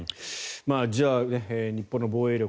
じゃあ、日本の防衛力